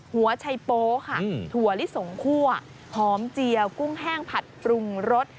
หัวชัยโป๊ค่ะถั่วลิสงคั่วหอมเจียวกุ้งแห้งผัดปรุงรส